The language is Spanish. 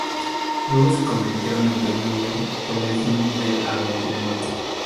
Luego se convirtieron en dueños del collegium del Aventino.